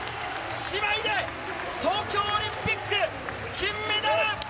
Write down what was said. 姉妹で東京オリンピック金メダル！